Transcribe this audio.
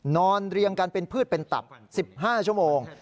เรียงกันเป็นพืชเป็นตับ๑๕ชั่วโมง